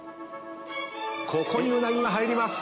ここにうなぎが入ります。